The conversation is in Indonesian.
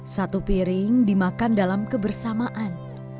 satu piring dimakan dalam kebersamaan